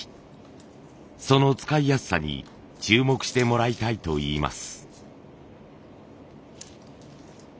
その使いやすさに注目してもらいたいといいます。